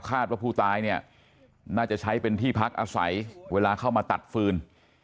คาดว่าผู้ตายเนี่ยน่าจะใช้เป็นที่พักอาศัยเวลาเข้ามาตัดฟืน